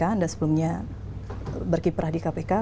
anda sebelumnya berkiprah di kpk